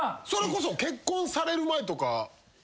それこそ結婚される前とか。